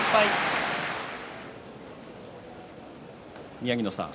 宮城野さん